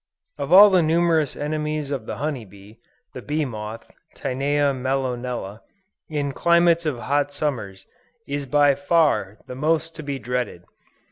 Of all the numerous enemies of the honey bee, the Bee Moth (Tinea mellonella,) in climates of hot Summers, is by far, the most to be dreaded.